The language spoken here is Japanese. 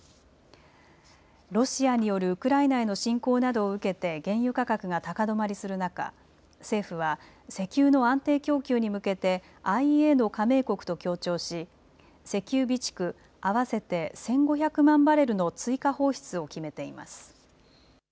ロシアによるウクライナへの侵攻などを受けて原油価格が高止まりする中、政府は石油の安定供給に向けてＩＥＡの加盟国と協調し石油備蓄合わせて１５００万バレルの追加放出を決めています。